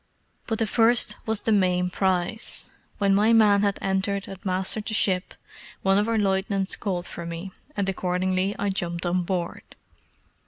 But the first was the main prize. When my men had entered and mastered the ship, one of our lieutenants called for me, and accordingly I jumped on board.